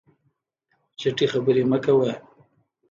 چټي خبري مه کوه !